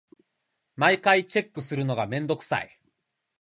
毎回チェックするのめんどくさい。